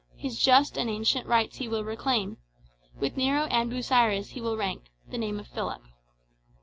His just and ancient rights he will reclaim, With Nero and Busiris he will rank The name of Philip."